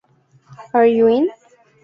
Are You In?